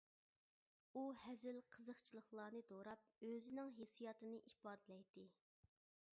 ئۇ ھەزىل قىزىقچىلىقلارنى دوراپ، ئۆزىنىڭ ھېسسىياتىنى ئىپادىلەيتتى.